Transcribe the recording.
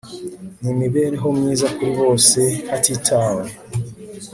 n imibereho myiza kuri bose hatitawe